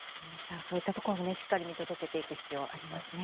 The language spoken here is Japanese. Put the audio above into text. そういったところもしっかりと見届けていく必要ありますね。